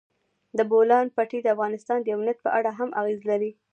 د بولان پټي د افغانستان د امنیت په اړه هم اغېز لري.